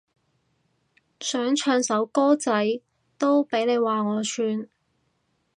想唱首歌仔都俾你話我串